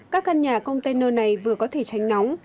dự án nhà container này vừa có thể tránh đau